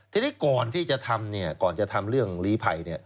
ทีนี้ก่อนที่จะทำก่อนจะทำเรื่องภูรีภัย